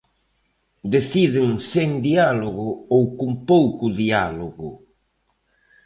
Deciden sen diálogo ou con pouco diálogo.